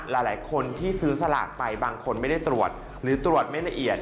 หลายคนที่ซื้อสลากไปบางคนไม่ได้ตรวจหรือตรวจไม่ละเอียด